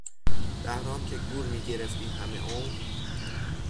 بهرام که گور میگرفتی همه عمر...